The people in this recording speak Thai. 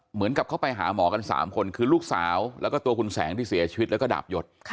เหมือนกับเขาไปหาหมอกัน๓คนคือลูกสาวแล้วก็ตัวคุณแสงที่เสียชีวิตแล้วก็ดาบยศ